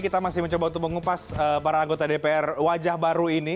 kita masih mencoba untuk mengupas para anggota dpr wajah baru ini